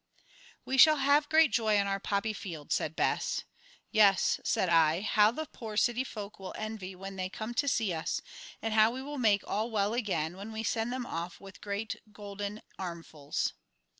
"We shall have great joy in our poppy field," said Bess. "Yes," said I; "how the poor city folk will envy when they come to see us, and how we will make all well again when we send them off with great golden armfuls!"